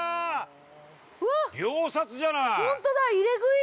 秒殺じゃない！